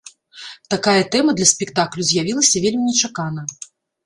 Такая тэма для спектаклю з'явілася вельмі нечакана.